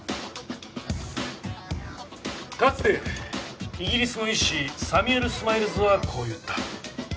かつてイギリスの医師サミュエル・スマイルズはこう言った。